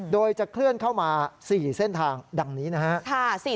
โดยจะเคลื่อนเข้ามา๔เส้นทางดังนี้นะครับ